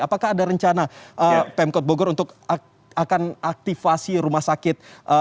apakah ada rencana pemkot bogor untuk akan aktifasi rumah sakit